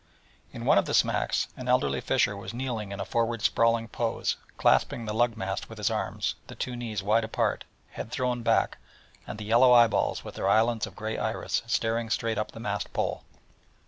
In one of the smacks an elderly fisher was kneeling in a forward sprawling pose, clasping the lug mast with his arms, the two knees wide apart, head thrown back, and the yellow eye balls with their islands of grey iris staring straight up the mast pole.